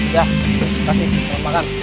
ya makasih selamat makan